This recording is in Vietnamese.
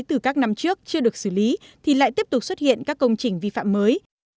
từ các năm trước chưa được xử lý thì lại tiếp tục xuất hiện các công trình vi phạm mới